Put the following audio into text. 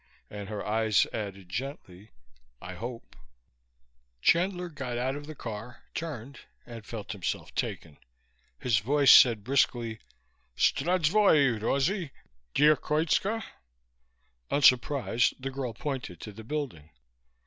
And her eyes added gently: I hope. Chandler got out of the car, turned ... and felt himself taken. His voice said briskly, "Zdrastvoi, Rosie. Gd'yeh Koitska?" Unsurprised the girl pointed to the building.